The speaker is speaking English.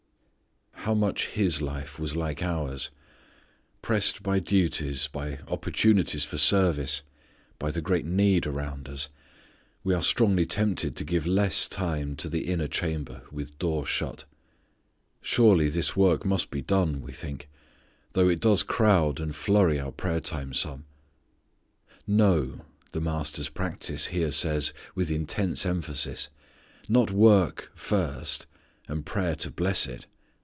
How much His life was like ours. Pressed by duties, by opportunities for service, by the great need around us, we are strongly tempted to give less time to the inner chamber, with door shut. "Surely this work must be done," we think, "though it does crowd and flurry our prayer time some." "No," the Master's practice here says with intense emphasis. Not work first, and prayer to bless it.